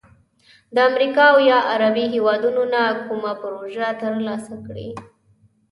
د امریکا او یا عربي هیوادونو نه کومه پروژه تر لاسه کړي،